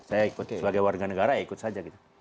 saya ikut sebagai warga negara ya ikut saja gitu